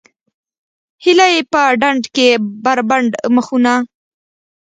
هیلۍ په ډنډ کې بربنډ مخونه